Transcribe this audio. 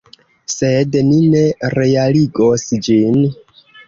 Sed ni ne realigos ĝin.